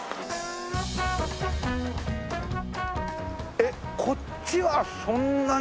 えっこっちはそんなに。